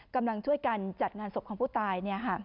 กำลังช่วยกันจัดงานศพของผู้ตาย